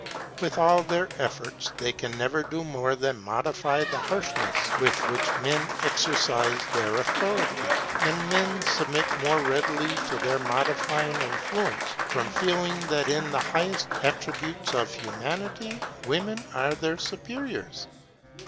With all their efforts they can never do more than modify the harshness with which men exercise their authority. And men submit more readily to this modifying influence, from feeling that in the highest attributes of Humanity women are their superiors.